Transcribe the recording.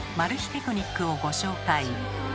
テクニックをご紹介。